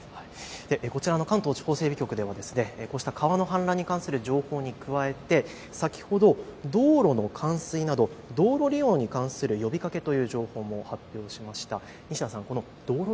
こちらの関東地方整備局ではこうした川の氾濫に関する情報に加えて先ほど道路の冠水など道路利用に関する呼びかけという情報も発表しました。